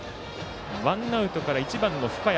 ワンアウトから１番の深谷。